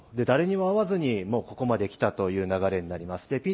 誰にも会わずにここまで来たという流れになります。